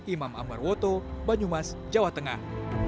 imam ambar woto banyumas jawa tengah